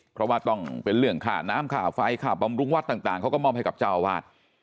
เพราะว่าต้องเป็นเรื่องค่าน้ำค่าไฟค่าบำรุงวัดต่างเขาก็มอบให้กับเจ้าอาวาส